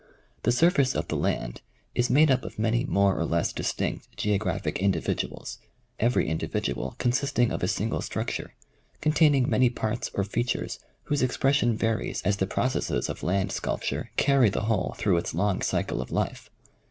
The surface of the land is made up of many more or less distinct geographic individuals, every indi vidual consisting of a single structure, containing many parts or features whose expression varies as the processes of land sculpture carry the whole through its long cycle of life.